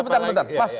nanti sebentar pas